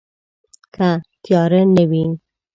که تیاره نه وي